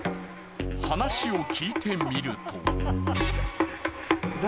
話を聞いてみると。